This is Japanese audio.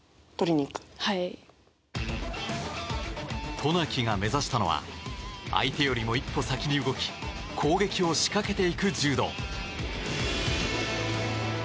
渡名喜が目指したのは相手よりも一歩先に動き攻撃を仕掛けていく柔道。